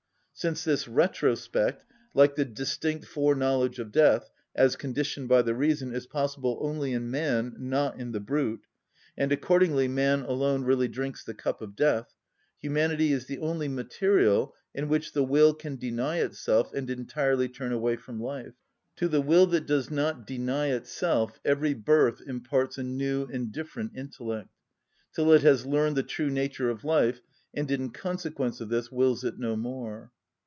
Since this retrospect, like the distinct foreknowledge of death, as conditioned by the reason, is possible only in man, not in the brute, and accordingly man alone really drinks the cup of death, humanity is the only material in which the will can deny itself and entirely turn away from life. To the will that does not deny itself every birth imparts a new and different intellect,—till it has learned the true nature of life, and in consequence of this wills it no more.